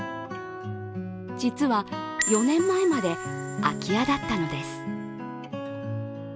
実は、４年前まで空き家だったのです。